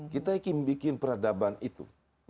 kita ingin bikin peradaban itu